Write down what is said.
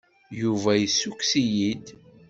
Yuba yessukkes-iyi-d.